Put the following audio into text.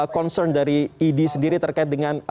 concern dari idi sendiri terkait dengan